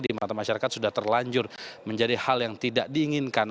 di mata masyarakat sudah terlanjur menjadi hal yang tidak diinginkan